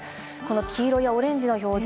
黄色やオレンジの表示。